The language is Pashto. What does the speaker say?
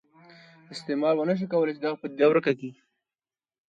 استعمار ونه شوای کولای چې دغه پدیده ورکه کړي.